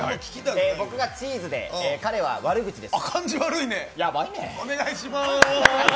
僕がチーズで彼は悪口です。